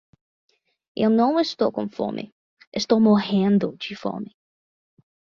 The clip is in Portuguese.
Eu não estou com fome, estou morrendo de fome.